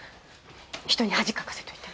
人に恥かかせといて。